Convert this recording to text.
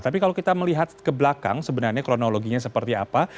tapi kalau kita melihat ke belakang sebenarnya kronologinya seperti apa